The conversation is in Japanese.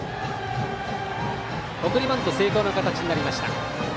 送りバント成功の形になりました。